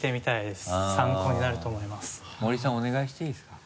お願いしていいですか？